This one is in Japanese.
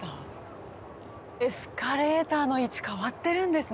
エスカレーターの位置変わってるんですね。